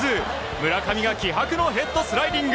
村上が気迫のヘッドスライディング。